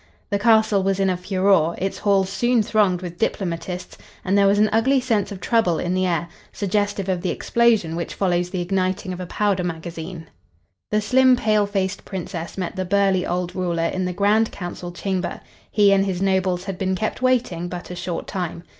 The castle was in a furore; its halls soon thronged with diplomatists and there was an ugly sense of trouble in the air, suggestive of the explosion which follows the igniting of a powder magazine. The slim, pale faced Princess met the burly old ruler in the grand council chamber. He and his nobles had been kept waiting but a short time.